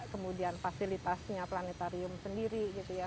kemudian fasilitasnya planetarium sendiri gitu ya